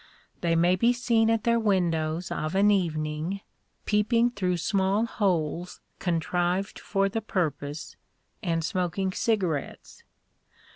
They may be seen at their windows of an evening, peeping through small holes contrived for the purpose, and smoking cigarettes.